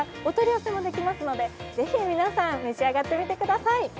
お取り寄せもできますのでぜひ皆さん召し上がってみてください。